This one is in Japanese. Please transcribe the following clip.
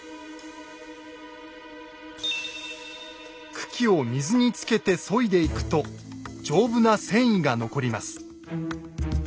茎を水につけて削いでいくと丈夫な繊維が残ります。